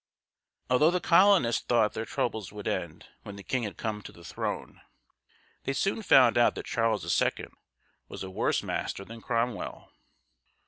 Although the colonists thought their troubles would end when the king had come to the throne, they soon found out that Charles II. was a worse master than Cromwell.